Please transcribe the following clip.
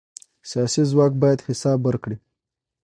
سیاسي ځواک باید حساب ورکړي